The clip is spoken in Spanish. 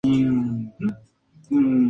Manipulación de la Temperatura